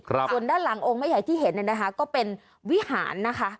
ส่วนด้านหลังองค์แม่ใหญ่ที่เห็นเนี่ยนะคะก็เป็นวิหารนะคะ